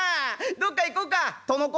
どっか行こうか殿公！」。